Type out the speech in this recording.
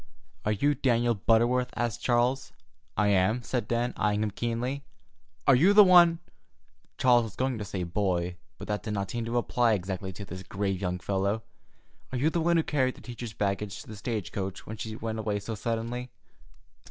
"Are you Daniel Butterworth?" asked Charles. "I am," said Dan, eying him keenly. "Are you the one"—Charles was going to say "boy," but that did not seem to apply exactly to this grave young fellow—"are you the one who carried the teacher's baggage to the stage coach when she went away so suddenly?"